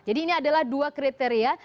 jadi ini adalah dua kriteria